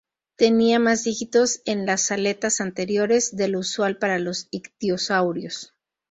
Tenía más dígitos en las aletas anteriores de lo usual para los ictiosaurios.